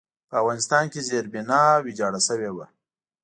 په افغانستان کې زېربنا ویجاړه شوې وه.